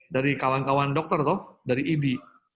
dari kawan kawan dokter dari ibi